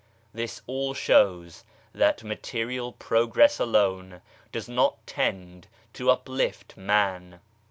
This all shows that material progress alone does not tend to uplift man.